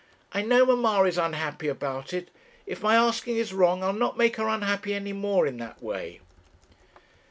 I know mamma is unhappy about it. If my asking is wrong, I'll not make her unhappy any more in that way.'